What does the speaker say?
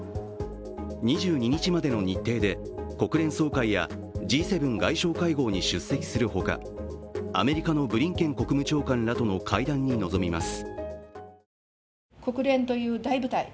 ２２日までの日程で、国連総会やＧ７外相会合に出席するほか、アメリカのブリンケン国務長官らとの会談に臨みます。